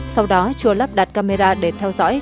sau đó chùa lắp đặt camera để theo dõi